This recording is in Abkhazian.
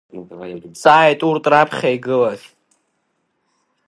Дҵааит урҭ раԥхьа игылаз.